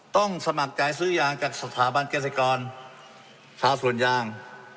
สมัครใจซื้อยางจากสถาบันเกษตรกรชาวสวนยาง